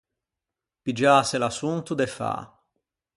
Piggiâse l’assonto de fâ.